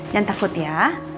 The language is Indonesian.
jangan takut ya